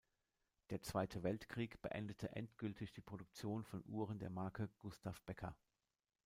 Der Zweite Weltkrieg beendete endgültig die Produktion von Uhren der Marke "Gustav Becker".